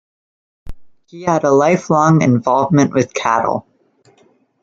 He had a lifelong involvement with cattle.